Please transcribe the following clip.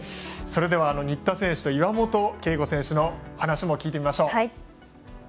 それでは新田選手と岩本啓吾選手の話も聞いてみましょう。